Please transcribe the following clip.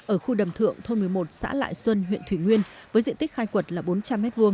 ở khu đầm thượng thôn một mươi một xã lại xuân huyện thủy nguyên với diện tích khai quật là bốn trăm linh m hai